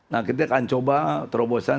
nah kita akan coba terobosan